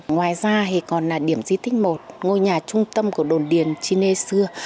ngoài ra thì còn là điểm di tích một ngôi nhà trung tâm của đồn điền chi nê xưa